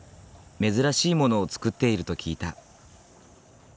珍しいものを作っていると聞いた。